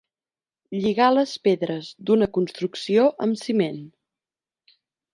Lligar les pedres d'una construcció amb ciment.